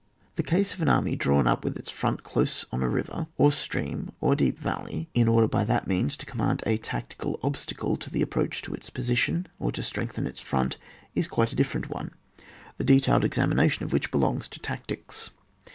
The case of an army drawn up with its front dose on a river, or stream, or deep valley, in order by that means to com mand a tactical obstacle to the approach to its position, or to strengthen its front, is quite a different one, the detailed examination of which belongs to tactics.